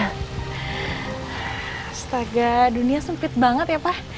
pustaka dunia sempit banget ya pak